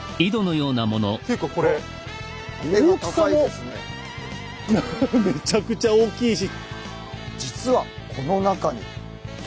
ていうかこれ大きさもめちゃくちゃ大きいし。